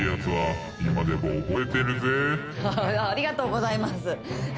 ありがとうございます